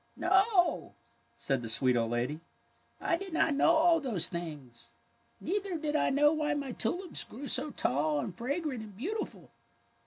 ''" No," said the sweet old lady, ^' I did not know all those things. Neither did I know why my tulips grew so tall and fragrant and beautiful.